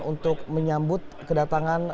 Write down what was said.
untuk menyambut kedatangan